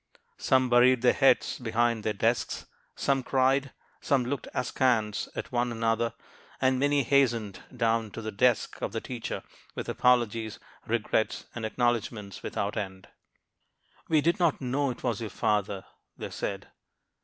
Some buried their heads behind their desks; some cried; some looked askance at one another; and many hastened down to the desk of the teacher, with apologies, regrets, and acknowledgments without end. "We did not know it was your father," they said.